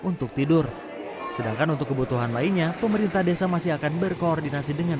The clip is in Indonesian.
untuk tidur sedangkan untuk kebutuhan lainnya pemerintah desa masih akan berkoordinasi dengan